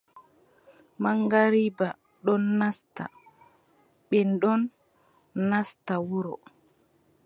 Maŋgariiba ɗon nasta, ɓe ɗon nasta wuro.